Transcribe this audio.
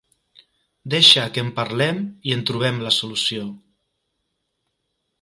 Deixa que en parlem i en trobem la solució.